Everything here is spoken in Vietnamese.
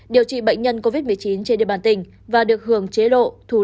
điều trị bệnh nhân covid một mươi chín trên địa bàn tỉnh và được hưởng chế độ thù la theo quyết định